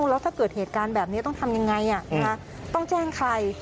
แล้วถ้าเกิดเหตุการณ์แบบนี้ต้องทำยังไงต้องแจ้งใคร